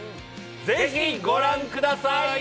ぜひご覧ください！